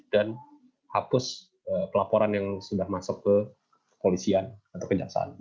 dan hapus pelaporan yang sudah masuk ke uu ite